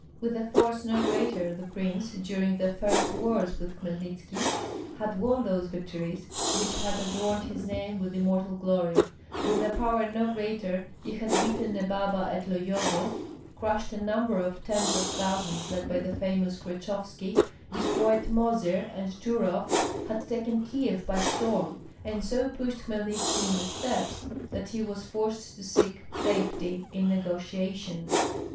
With a force no greater the prince, during the first wars with Hmelnitski, had won those victories which had adorned his name with immortal glory; with a power no greater he had beaten Nebaba at Loyovo, crushed a number of tens of thousands led by the famous Krechovski, destroyed Mozyr and Turoff, had taken Kieff by storm, and so pushed Hmelnitski in the steppes that he was forced to seek safety in negotiations.